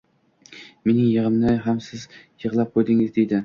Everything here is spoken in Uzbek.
Mening yigʼimni ham siz yigʼlab qoʼygansiz, deydi.